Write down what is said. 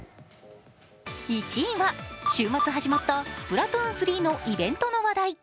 １位は週末始まった、「スプラトゥーン３」のイベントの話題。